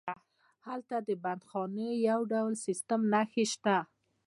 هلته د بندیخانې د یو ډول سیسټم نښې شته.